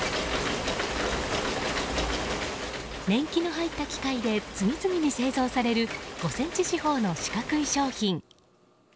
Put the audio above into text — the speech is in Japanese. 年季の入った機械で次々に製造される５ｃｍ四方の四角い商品。